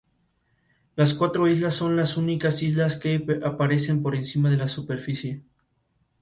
Luego las aguas se evaporan y las sales aportadas se van acumulando.